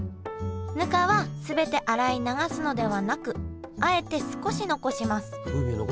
ぬかは全て洗い流すのではなくあえて少し残します。